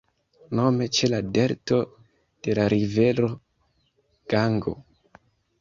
Nome ĉe la delto de la rivero Gango.